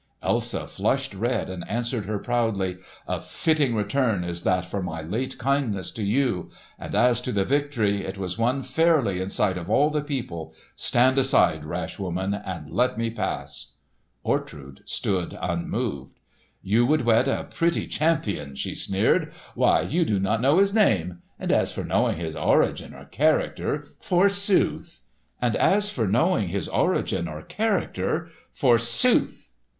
Elsa flushed red and answered her proudly, "A fitting return is this for my late kindness to you! And as to the victory it was won fairly in sight of all the people. Stand aside, rash woman, and let me pass!" Ortrud stood unmoved. "You would wed a pretty champion!" she sneered. "Why, you do not know his name! And as for knowing his origin or character—forsooth!"